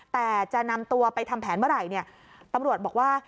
แต่จะนำตัวไปทำแผนเมื่อไหร่เนี่ยตำรวจบอกว่า